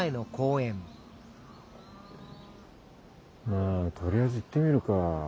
まあとりあえず行ってみるか。